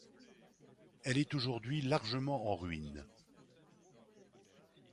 Elle est aujourd'hui largement en ruines.